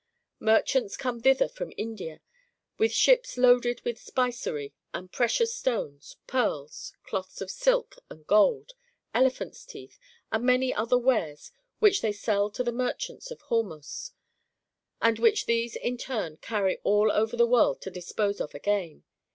^ Merchants come thither from India, with ships loaded with spicery and precious stones, pearls, cloths of silk and gold, elephants' teeth, and many other wares, which they sell to the merchants of Hormos, and which these in turn carry all over the world to dispose of again.